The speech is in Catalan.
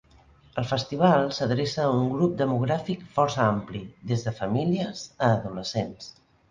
El festival s'adreça a un grup demogràfic força ampli, des de famílies a adolescents.